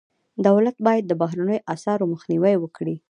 دولت باید د بهرنیو اسعارو مخنیوی وکړي.